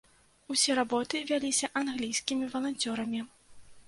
Усе работы вяліся англійскімі валанцёрамі.